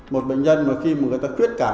một bệnh nhân mà khi mà người ta khuyết cảm